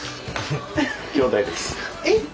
えっ？